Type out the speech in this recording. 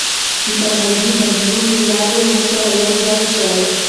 د فرهنګي بدلون له لارې موږ سره یو شو.